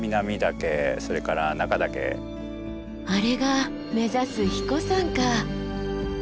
あれが目指す英彦山か。